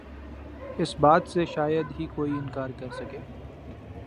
اس بات سے شاید ہی کوئی انکار کرسکے